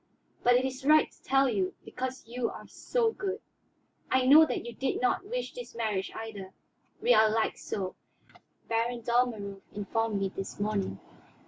But it is right to tell you, because you are so good. I know that you did not wish this marriage, either, we are alike so. Baron Dalmorov informed me this morning."